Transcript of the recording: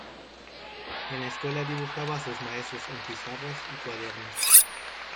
En la escuela dibujaba a sus maestros en pizarras y cuadernos.